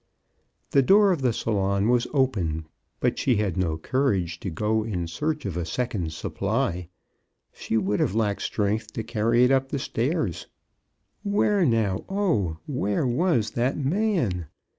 The door of the salon was open, but she had no courage to go in search of a second supply. She would have lacked strength to carry it up the stairs. Where, now, oh ! where was that man